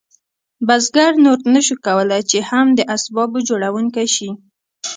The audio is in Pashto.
بزګر نور نشو کولی چې هم د اسبابو جوړونکی شي.